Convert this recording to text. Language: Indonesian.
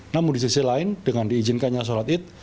namun di sisi lain dengan diizinkannya sholat id